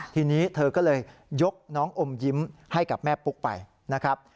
ทีนี้เธอก็เลยยกน้องอมยิ้มให้กับแม่ปุ๊กไปนะครับ